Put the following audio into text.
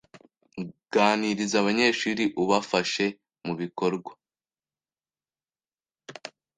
Ganiriza abanyeshuri, ubafashe mubikorwa